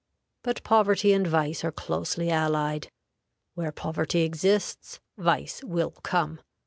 But poverty and vice are closely allied; where poverty exists, vice will come.